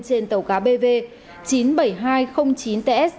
trên tàu cá bv chín mươi bảy nghìn hai trăm linh chín ts